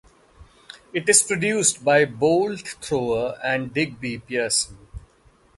It is produced by Bolt Thrower and Digby Pearson.